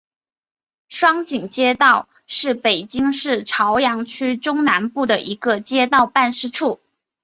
双井街道是北京市朝阳区中南部的一个街道办事处。